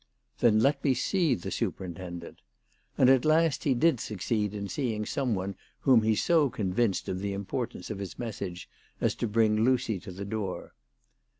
" Then let me see the superintendent." And at last he did succeed in seeing some one whom he so con vinced of the importance of his message as to bring Lucy to the door.